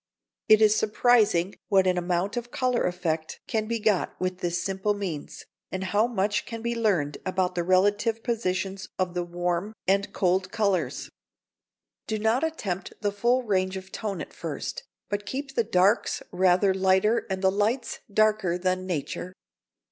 It is surprising what an amount of colour effect can be got with this simple means, and how much can be learned about the relative positions of the warm and cold colours. Do not attempt the full range of tone at first, but keep the darks rather lighter and the lights darker than nature.